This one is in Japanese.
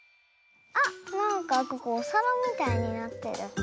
あっなんかここおさらみたいになってる。